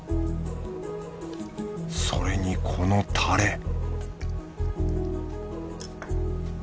それにこのタレ